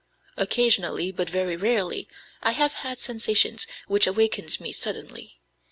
Occasionally, but very rarely, I have had sensations which awakened me suddenly.